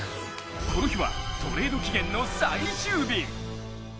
この日はトレード期限の最終日。